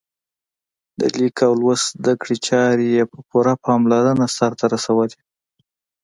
د لیک او لوست زده کړې چارې یې په پوره پاملرنه سرته رسولې.